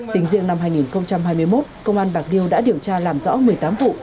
tình diện năm hai nghìn hai mươi một công an bạc điêu đã điều tra làm rõ một mươi tám vụ